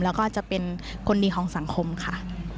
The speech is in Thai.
แล้วก็จะเป็นคนดีของสังคมค่ะ